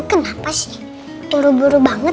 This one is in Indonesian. kenapa sih buru buru banget